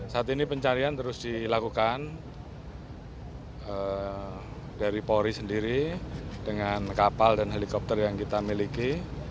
saat ini pencarian terus dilakukan dari polri sendiri dengan kapal dan helikopter yang kita miliki